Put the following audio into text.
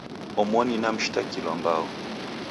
Omoni na mshitakilwa mbao